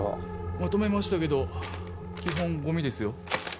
まとめましたけど基本ゴミですよ。